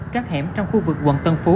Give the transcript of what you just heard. các hẻm trong khu vực quận tân phú